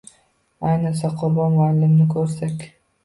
Ayniqsa, Qurbon muallimni koʻrsak.